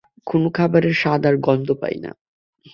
কোনো খাবারের স্বাদ আর গন্ধ পাই না।